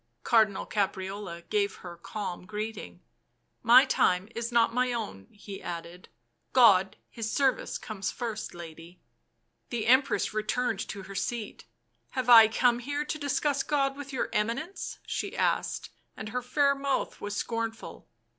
Cardinal Caprarola gave her calm greeting. " My time is not my own," he added. " God His service comes first, lady." The Empress returned to her seat. " Have I come here to discuss God with your Eminence 1 ?" she asked, and her fair mouth was scornful.